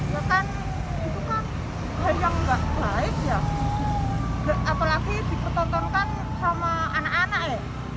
ya kan itu kan hal yang nggak baik ya apalagi dipertontonkan sama anak anak ya